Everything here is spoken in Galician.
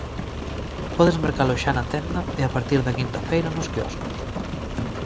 Podes mercalo xa na tenda e a partir da quinta feira nos quioscos.